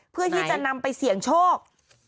เพื่อที่จะนำไปเสี่ยงโชค